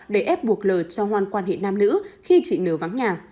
để ép buộc l cho hoan quan hệ nam nữ khi chị n vắng nhà